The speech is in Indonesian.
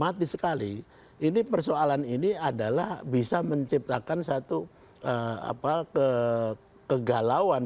mati sekali ini persoalan ini adalah bisa menciptakan satu kegalauan